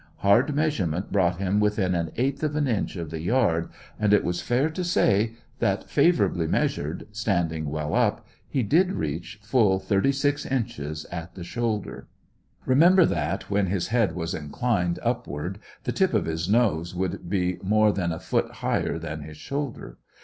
Hard measurement brought him within an eighth of an inch of the yard, and it was fair to say that, favourably measured, standing well up, he did reach full thirty six inches at the shoulder. Remember that, when his head was inclined upward, the tip of his nose would be more than a foot higher than his shoulder.